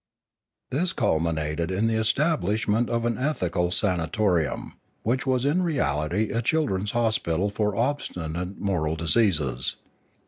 This culminated in the establishment of an ethical Ethics 595 sanatorium, which was in reality a children's hospital for obstinate moral diseases.